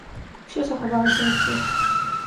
Усё захавалася як ёсць.